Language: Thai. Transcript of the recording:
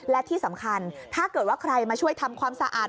และที่สำคัญถ้าเกิดว่าใครมาช่วยทำความสะอาด